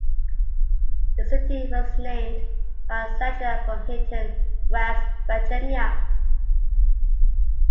The city was named by a settler from Hinton, West Virginia.